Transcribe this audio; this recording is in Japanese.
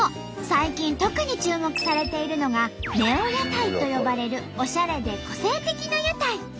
最近特に注目されているのが「ネオ屋台」と呼ばれるおしゃれで個性的な屋台。